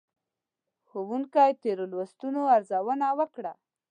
ښوونکي تېرو لوستونو ارزونه وکړه.